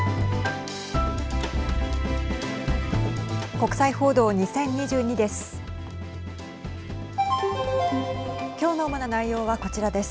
国際報道２０２２です。